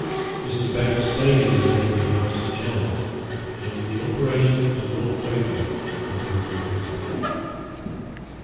Mr. Banks stayed in the neighbouring house an hour, and the operation was not over when he went away.'